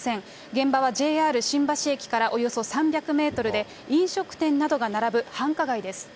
現場はＪＲ新橋駅からおよそ３００メートルで、飲食店などが並ぶ繁華街です。